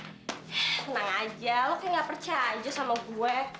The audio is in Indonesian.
eh tenang aja lo kayak nggak percaya aja sama gue